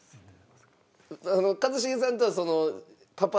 一茂さんとはパパ